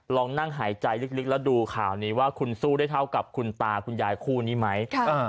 ลองนั่งหายใจลึกแล้วดูข่าวนี้ว่าคุณสู้ได้เท่ากับคุณตาคุณยายคู่นี้ไหม